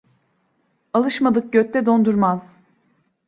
Alışmadık götte don durmaz.